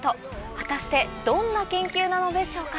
果たしてどんな研究なのでしょうか？